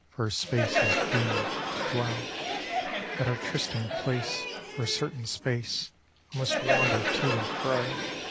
For a space is doom'd to dwell. " At our trysting place, for a certain space, I must wander to and fro.